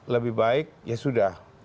lebih baik ya sudah